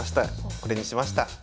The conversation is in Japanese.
これにしました。